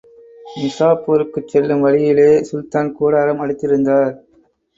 நிசாப்பூருக்குச் செல்லும் வழியிலே சுல்தான் கூடாரம் அடித்திருந்தார்.